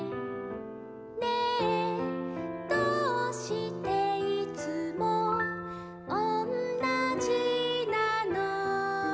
「ねぇどうしていつもおんなじなの？」